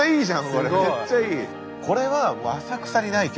これめっちゃいい。